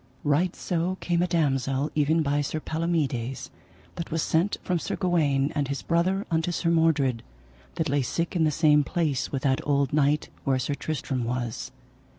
Right so came a damosel even by Sir Palomides, that was sent from Sir Gawaine and his brother unto Sir Mordred, that lay sick in the same place with that old knight where Sir Tristram was.